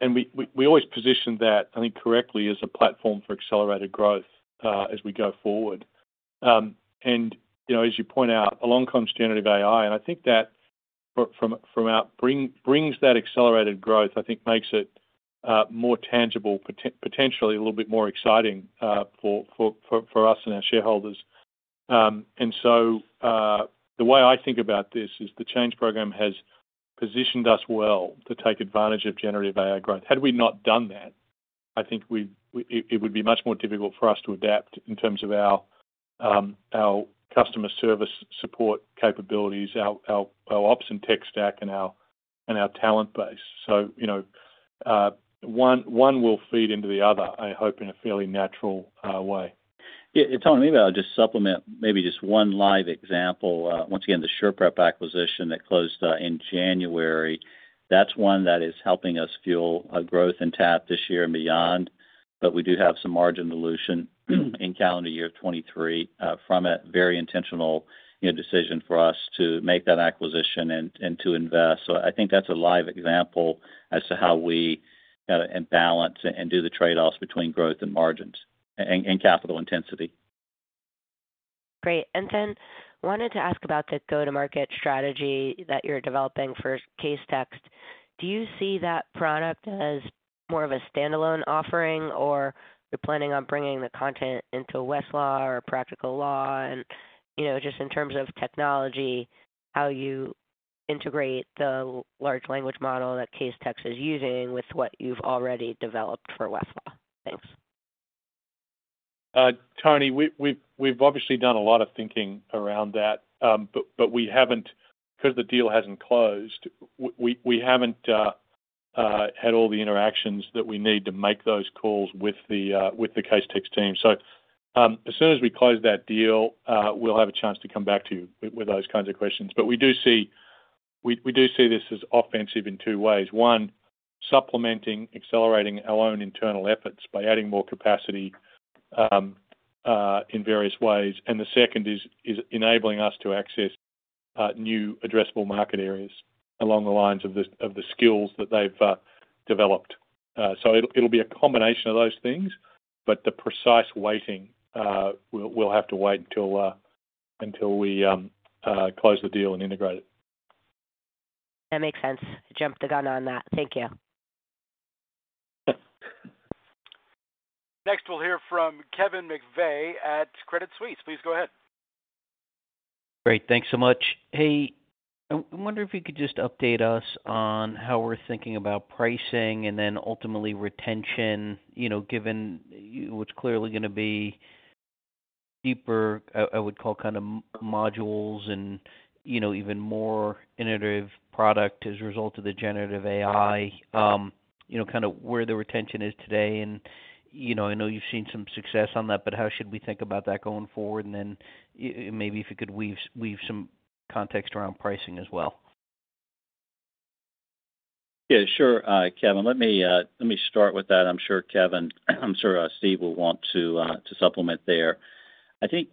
and we always positioned that, I think, correctly, as a platform for accelerated growth as we go forward. You know, as you point out, along comes generative AI, and I think that from our brings that accelerated growth, I think makes it more tangible, potentially a little bit more exciting for us and our shareholders. The way I think about this is the Change Program has positioned us well to take advantage of generative AI growth. Had we not done that, I think it would be much more difficult for us to adapt in terms of our customer service support capabilities, our, our, our ops and tech stack, and our, and our talent base. You know, one, one will feed into the other, I hope, in a fairly natural way. Yeah, Toni, maybe I'll just supplement maybe just one live example. Once again, the SurePrep acquisition that closed in January, that's one that is helping us fuel growth in TAP this year and beyond. We do have some margin dilution, in calendar year 23, from a very intentional, you know, decision for us to make that acquisition and, and to invest. I think that's a live example as to how we and balance and do the trade-offs between growth and margins and, and capital intensity. Great. Then wanted to ask about the go-to-market strategy that you're developing for Casetext. Do you see that product as more of a standalone offering, or you're planning on bringing the content into Westlaw or Practical Law? You know, just in terms of technology, how you integrate the large language model that Casetext is using with what you've already developed for Westlaw? Thanks. Toni, we've, we've, we've obviously done a lot of thinking around that. But we haven't- because the deal hasn't closed, we, we, we haven't had all the interactions that we need to make those calls with the Casetext team. As soon as we close that deal, we'll have a chance to come back to you with, with those kinds of questions. We do see. We, we do see this as offensive in 2 ways. One, supplementing, accelerating our own internal efforts by adding more capacity in various ways. The second is, is enabling us to access new addressable market areas along the lines of the, of the skills that they've developed. It'll, it'll be a combination of those things, but the precise weighting, we'll, we'll have to wait until, until we, close the deal and integrate it. That makes sense. I jumped the gun on that. Thank you. Yeah. Next, we'll hear from Kevin McVeigh at Credit Suisse. Please go ahead. Great. Thanks so much. Hey, I, I wonder if you could just update us on how we're thinking about pricing and then ultimately retention, you know, given what's clearly going to be deeper, I, I would call kind of modules and, you know, even more innovative product as a result of the generative AI. You know, kind of where the retention is today, and, you know, I know you've seen some success on that, but how should we think about that going forward? Then, maybe if you could weave, weave some context around pricing as well. Yeah, sure, Kevin. Let me, let me start with that. I'm sure Kevin, I'm sure Steve will want to supplement there. I think,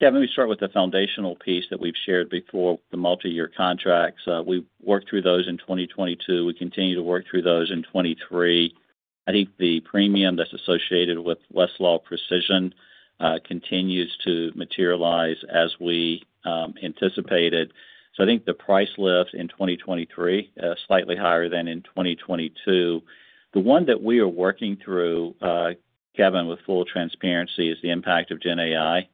Kevin, let me start with the foundational piece that we've shared before, the multiyear contracts. We worked through those in 2022. We continue to work through those in 2023. I think the premium that's associated with Westlaw Precision continues to materialize as we anticipated. I think the price lifts in 2023, slightly higher than in 2022. The one that we are working through, Kevin, with full transparency, is the impact of Gen AI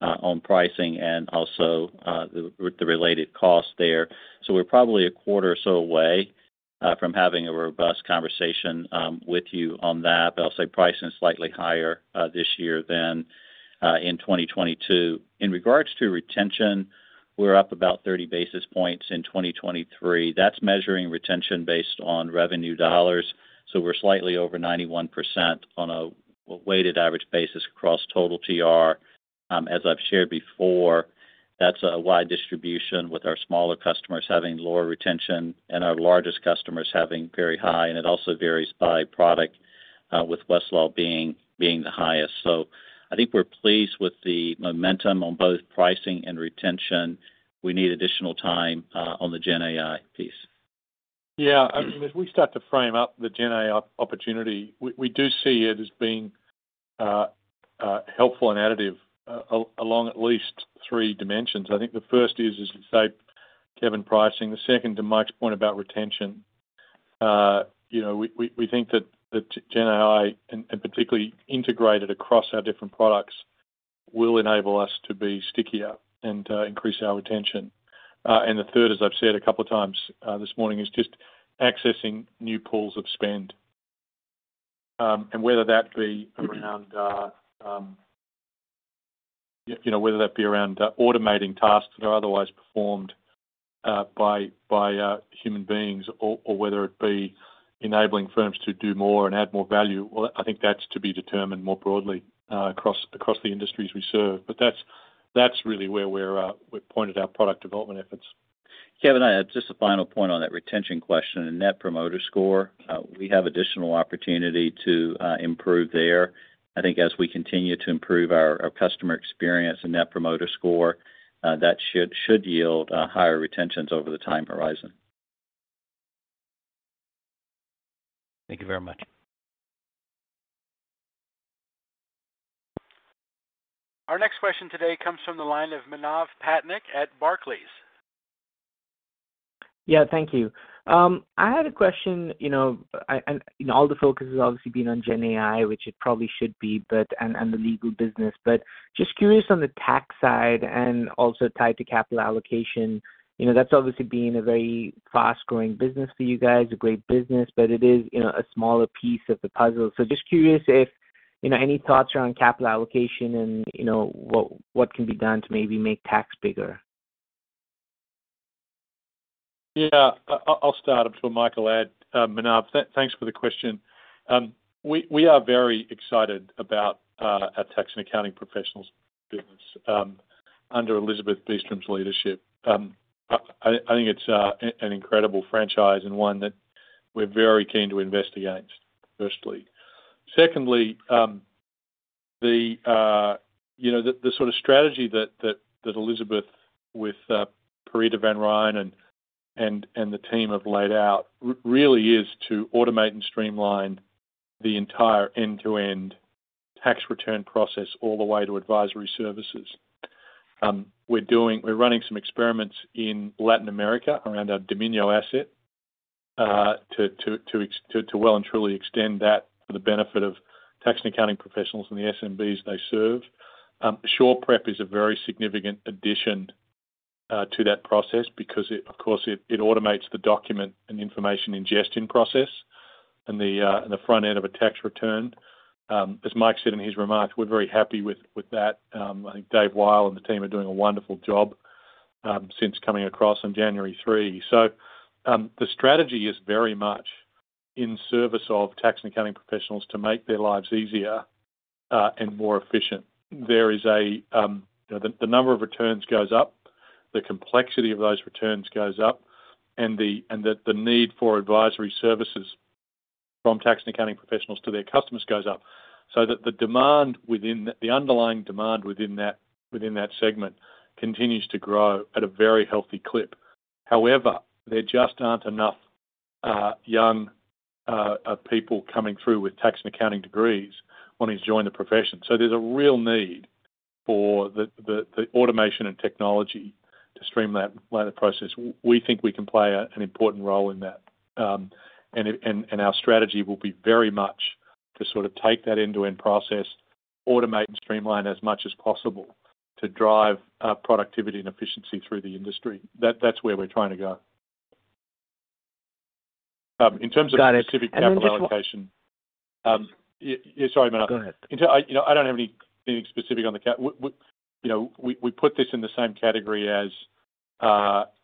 on pricing and also the related costs there. We're probably a quarter or so away from having a robust conversation with you on that. I'll say pricing is slightly higher this year than in 2022. In regards to retention, we're up about 30 basis points in 2023. That's measuring retention based on revenue dollars, so we're slightly over 91% on a weighted average basis across total TR. As I've shared before, that's a wide distribution, with our smaller customers having lower retention and our largest customers having very high, and it also varies by product, with Westlaw being, being the highest. I think we're pleased with the momentum on both pricing and retention. We need additional time on the GenAI piece. Yeah, as we start to frame up the GenAI opportunity, we, we do see it as being helpful and additive along at least three dimensions. I think the first is, as you say, Kevin, pricing. The second, to Mike's point about retention, you know, we, we, we think that the GenAI, and particularly integrated across our different products, will enable us to be stickier and increase our retention. The third, as I've said a couple of times this morning, is just accessing new pools of spend, whether that be around, you know, whether that be around automating tasks that are otherwise performed by, by human beings or, or whether it be enabling firms to do more and add more value. Well, I think that's to be determined more broadly, across, across the industries we serve. That's, that's really where we're, we've pointed our product development efforts. Kevin, I add just a final point on that retention question and Net Promoter Score. We have additional opportunity to improve there. I think as we continue to improve our, our customer experience and Net Promoter Score, that should, should yield higher retentions over the time horizon. Thank you very much. Our next question today comes from the line of Manav Patnaik at Barclays. Yeah, thank you. I had a question, you know, all the focus has obviously been on GenAI, which it probably should be, and the legal business. Just curious on the tax side and also tied to capital allocation, you know, that's obviously been a very fast-growing business for you guys, a great business, but it is, you know, a smaller piece of the puzzle. Just curious if, you know, any thoughts around capital allocation and, you know, what can be done to maybe make tax bigger? Yeah, I'll, I'll start before Michael add. Manav, thanks for the question. We, we are very excited about our tax and accounting professionals business under Elizabeth Beastrom's leadership. I, I think it's an incredible franchise and one that we're very keen to invest against, firstly. Secondly, the, you know, the, the sort of strategy that, that, that Elizabeth with Piritta van Rijn and, and, and the team have laid out, really is to automate and streamline the entire end-to-end tax return process all the way to advisory services. We're running some experiments in Latin America around our Domínio asset to, to, to well and truly extend that for the benefit of tax and accounting professionals and the SMBs they serve. SurePrep is a very significant addition to that process because it, of course, it automates the document and information ingestion process and the front end of a tax return. As Mike said in his remarks, we're very happy with that. I think David Weil and the team are doing a wonderful job since coming across on January 3. The strategy is very much in service of tax and accounting professionals to make their lives easier and more efficient. There is a, you know, the number of returns goes up, the complexity of those returns goes up, and the need for advisory services from tax and accounting professionals to their customers goes up. That the demand within the... the underlying demand within that, within that segment continues to grow at a very healthy clip. However, there just aren't enough young people coming through with tax and accounting degrees wanting to join the profession. There's a real need for the automation and technology to streamline the process. We think we can play an important role in that. Our strategy will be very much to sort of take that end-to-end process, automate and streamline as much as possible to drive productivity and efficiency through the industry. That's where we're trying to go. In terms of specific capital allocation. Got it. Then just one- Yeah, sorry, Manav. Go ahead. You know, I don't have any, anything specific on the. We, you know, put this in the same category as,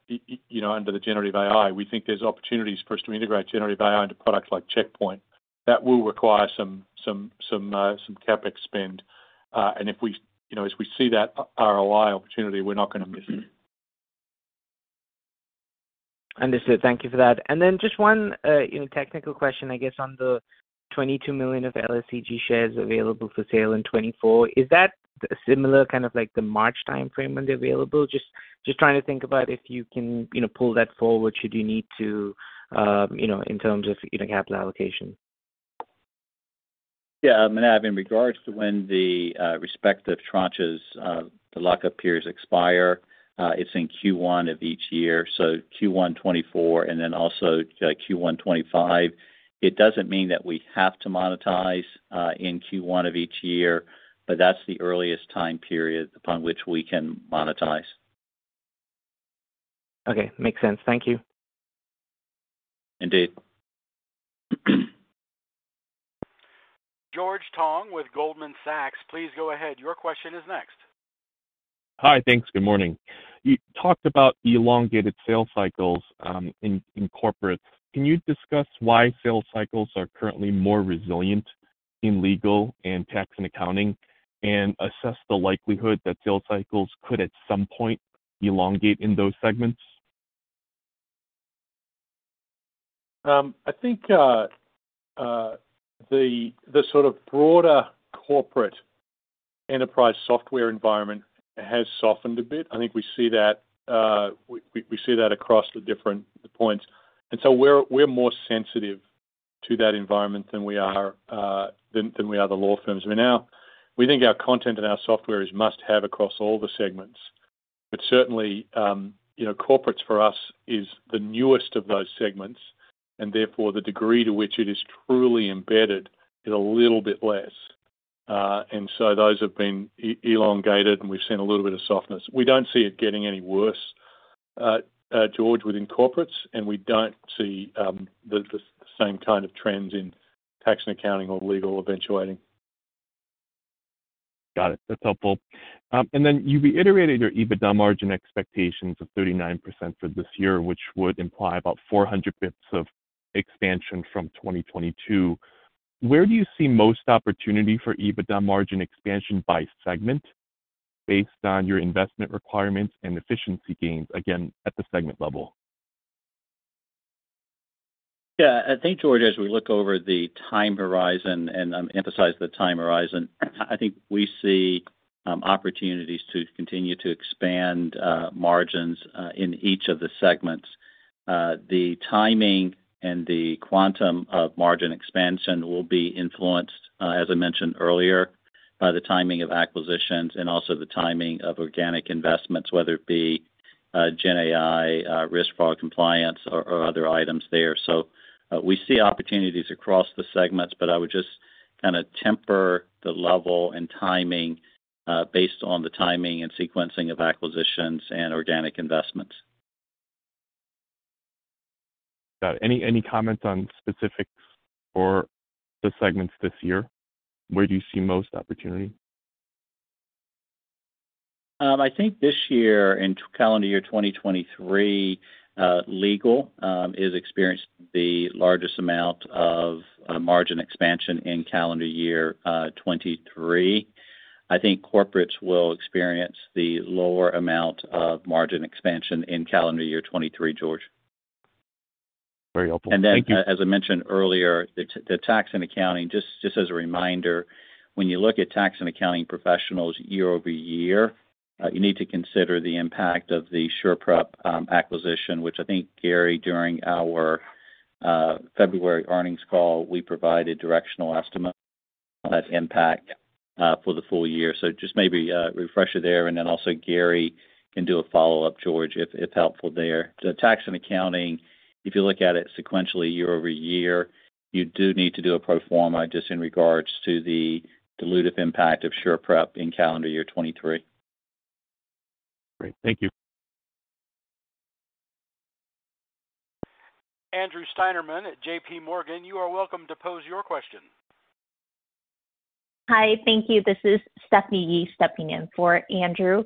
you know, under the generative AI. We think there's opportunities for us to integrate generative AI into products like Checkpoint. That will require some CapEx spend. If we, you know, as we see that ROI opportunity, we're not going to miss it. Understood. Thank you for that. Just one, you know, technical question, I guess, on the $22 million of LSEG shares available for sale in 2024, is that similar, kind of like the March timeframe when they're available? Just, just trying to think about if you can, you know, pull that forward, should you need to, you know, in terms of, you know, capital allocation. Yeah, Manav, in regards to when the respective tranches, the lock-up periods expire, it's in Q1 of each year, so Q1 2024, and then also Q1 2025. It doesn't mean that we have to monetize in Q1 of each year, but that's the earliest time period upon which we can monetize. Okay, makes sense. Thank you. Indeed. George Tong with Goldman Sachs, please go ahead. Your question is next. Hi. Thanks. Good morning. You talked about the elongated sales cycles, in, in Corporates. Can you discuss why sales cycles are currently more resilient in legal and tax and accounting, and assess the likelihood that sales cycles could at some point elongate in those segments? I think the sort of broader corporate enterprise software environment has softened a bit. I think we see that, we, we, we see that across the different points. We're, we're more sensitive to that environment than we are, than, than we are the law firms. We think our content and our software is must-have across all the segments, but certainly, you know, corporates for us is the newest of those segments, and therefore, the degree to which it is truly embedded is a little bit less. Those have been elongated, and we've seen a little bit of softness. We don't see it getting any worse. George, within corporates, we don't see the same kind of trends in tax and accounting or legal eventuating. Got it. That's helpful. Then you reiterated your EBITDA margin expectations of 39% for this year, which would imply about 400 basis points of expansion from 2022. Where do you see most opportunity for EBITDA margin expansion by segment based on your investment requirements and efficiency gains, again, at the segment level? Yeah, I think, George, as we look over the time horizon, and I emphasize the time horizon, I think we see opportunities to continue to expand margins in each of the segments. The timing and the quantum of margin expansion will be influenced, as I mentioned earlier, by the timing of acquisitions and also the timing of organic investments, whether it be GenAI, risk fraud compliance or other items there. We see opportunities across the segments, but I would just kinda temper the level and timing based on the timing and sequencing of acquisitions and organic investments. Any, any comments on specifics for the segments this year? Where do you see most opportunity? I think this year, in calendar year 2023, Legal, is experiencing the largest amount of margin expansion in calendar year 2023. I think Corporates will experience the lower amount of margin expansion in calendar year 2023, George. Very helpful. Thank you. Then, as I mentioned earlier, the Tax & Accounting, just as a reminder, when you look at Tax & Accounting Professionals year-over-year, you need to consider the impact of the SurePrep acquisition, which I think, Gary, during our February earnings call, we provided directional estimate on that impact for the full year. Just maybe a refresher there, also Gary can do a follow-up, George, if helpful there. The Tax & Accounting, if you look at it sequentially year-over-year, you do need to do a pro forma just in regards to the dilutive impact of SurePrep in calendar year 2023. Great. Thank you. Andrew Steinerman at J.P. Morgan, you are welcome to pose your question. Hi, thank you. This is Stephanie Yee stepping in for Andrew.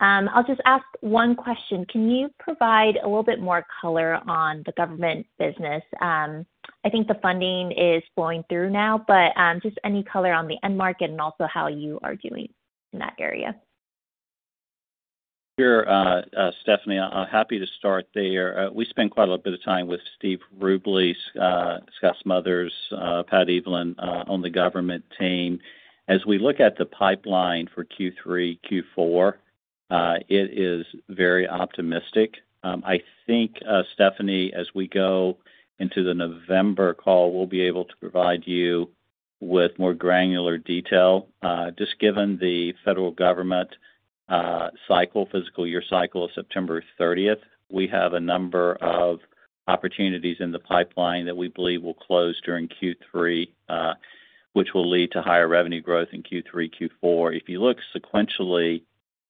I'll just ask one question. Can you provide a little bit more color on the Government business? I think the funding is flowing through now, but just any color on the end market and also how you are doing in that area? Sure, Stephanie Yee, I'm happy to start there. We spent quite a little bit of time with Steve Rubley, Scott Smothers, Pat Evelyn, on the government team. As we look at the pipeline for Q3, Q4, it is very optimistic. I think, Stephanie Yee, as we go into the November call, we'll be able to provide you with more granular detail, just given the federal government, cycle, physical year cycle of September 30th. We have a number of opportunities in the pipeline that we believe will close during Q3, which will lead to higher revenue growth in Q3, Q4. If you look sequentially,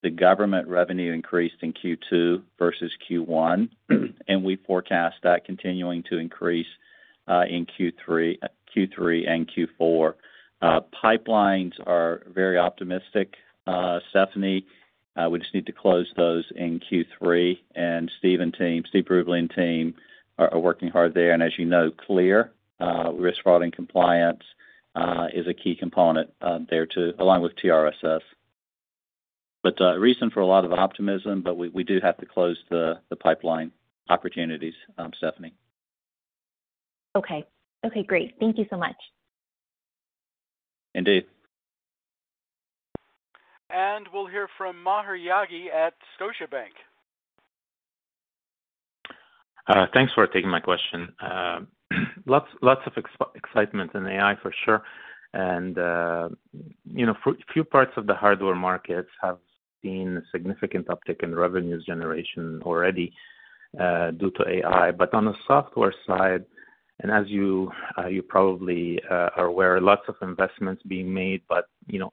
the government revenue increased in Q2 versus Q1, and we forecast that continuing to increase in Q3, Q3, and Q4. Pipelines are very optimistic, Stephanie Yee. We just need to close those in Q3, Steve and team, Steve Rubley and team are, are working hard there. As you know, Clear, risk, fraud, and compliance, is a key component there too, along with TRSS. Reason for a lot of optimism, but we, we do have to close the, the pipeline opportunities, Stephanie. Okay. Okay, great. Thank you so much. Indeed. We'll hear from Maher Yaghi at Scotiabank. Thanks for taking my question. lots, lots of excitement in AI for sure. you know, few, few parts of the hardware markets have seen a significant uptick in revenues generation already, due to AI. on the software side, as you, you probably, are aware, lots of investments being made, but, you know...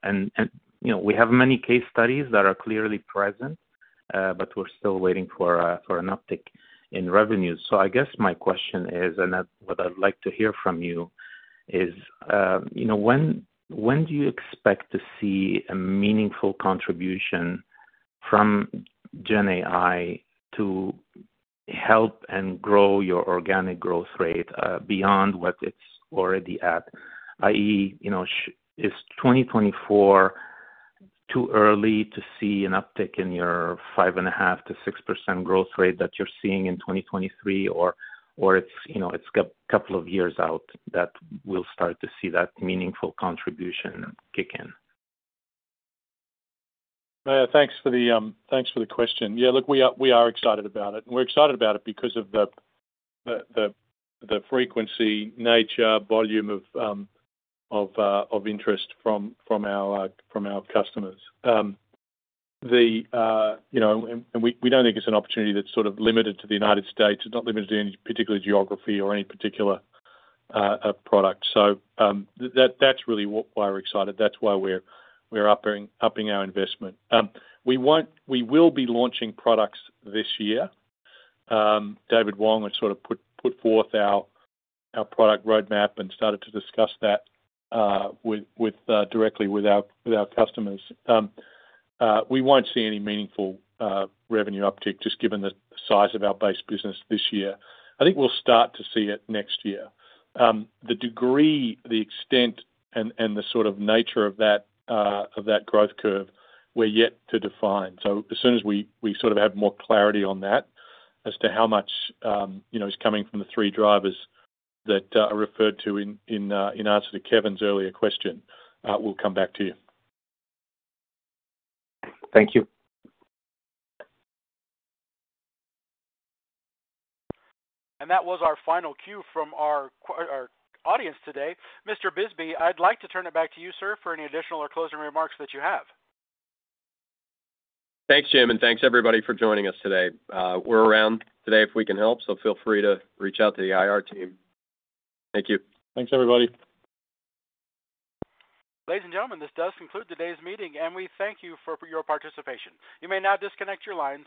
you know, we have many case studies that are clearly present, but we're still waiting for an uptick in revenues. I guess my question is, and that what I'd like to hear from you is, you know, when, when do you expect to see a meaningful contribution from GenAI to help and grow your organic growth rate beyond what it's already at? i.e., you know, is 2024 too early to see an uptick in your 5.5%-6% growth rate that you're seeing in 2023, or, it's, you know, it's a couple of years out that we'll start to see that meaningful contribution kick in? Thanks for the, thanks for the question. Yeah, look, we are, we are excited about it. We're excited about it because of the, the, the, the frequency, nature, volume of interest from, from our, from our customers. You know, and, and we, we don't think it's an opportunity that's sort of limited to the United States. It's not limited to any particular geography or any particular product. That, that's really why we're excited. That's why we're, we're upping, upping our investment. We will be launching products this year. David Wong has sort of put, put forth our, our product roadmap and started to discuss that with, with directly with our, with our customers. We won't see any meaningful revenue uptick, just given the size of our base business this year. I think we'll start to see it next year. The degree, the extent, and the sort of nature of that growth curve, we're yet to define. As soon as we, we sort of have more clarity on that, as to how much, you know, is coming from the three drivers that are referred to in, in answer to Kevin's earlier question, we'll come back to you. Thank you. That was our final cue from our audience today. Mr. Bisbee, I'd like to turn it back to you, sir, for any additional or closing remarks that you have. Thanks, Jim, and thanks, everybody, for joining us today. We're around today if we can help, so feel free to reach out to the IR team. Thank you. Thanks, everybody. Ladies and gentlemen, this does conclude today's meeting, and we thank you for your participation. You may now disconnect your lines.